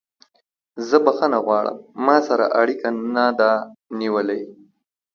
زه بخښنه غواړم ما سره اړیکه نه ده نیولې.